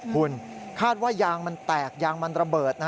คุณคาดว่ายางมันแตกยางมันระเบิด